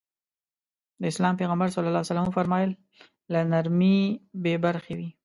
د اسلام پيغمبر ص وفرمايل له نرمي بې برخې وي.